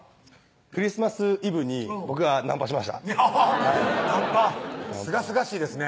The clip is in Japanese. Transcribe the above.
クリスマスイブに僕がナンパしましたアハハナンパすがすがしいですね